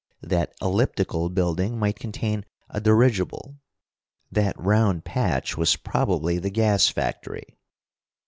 That elliptical building might contain a dirigible. That round patch was probably the gas factory.